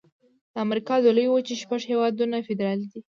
د امریکا د لویې وچې شپږ هيوادونه فدرالي دي.